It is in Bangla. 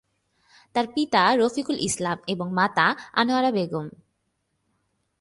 তার পিতা রফিকুল ইসলাম এবং মাতা আনোয়ারা বেগম।